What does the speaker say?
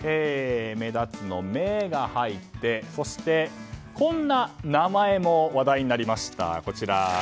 目立つの「メ」が入ってそして、こんな名前も話題になりました。